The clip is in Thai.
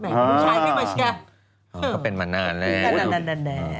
แหมลูกชายเป็นไหมแช่ได่ไหมไงก็เป็นมานานแล้ว